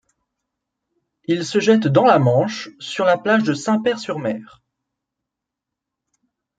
Il se jette dans la Manche sur la plage de Saint-Pair-sur-Mer.